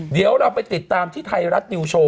เดี๋ยวเราไปติดตามที่ไทยรัฐนิวโชว